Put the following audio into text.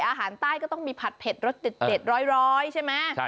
อาหารใต้ก็ต้องมีผัดเผ็ดรสเด็ดร้อยใช่ไหม